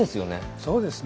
そうですね。